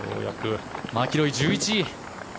マキロイ、１１。